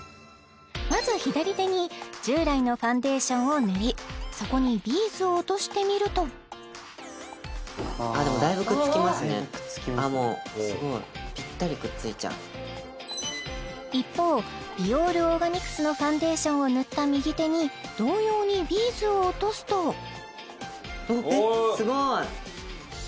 まず左手に従来のファンデーションを塗りそこにビーズを落としてみるともうすごいぴったりくっついちゃう一方ｂｉｏｒｏｒｇａｎｉｃｓのファンデーションを塗った右手に同様にビーズを落とすとえっすごい！